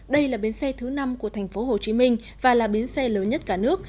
đây là bến xe thứ năm của tp hcm và là bến xe lớn nhất cả nước